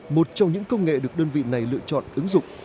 một trong những công nghệ được đơn vị này lựa chọn ứng dụng